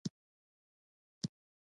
اصلاً اعتراض یې په همدغه لقب و.